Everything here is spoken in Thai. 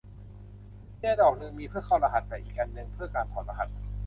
กุญแจดอกหนึ่งมีเพื่อเข้ารหัส แต่อีกอันหนึ่งเพื่อการถอดรหัส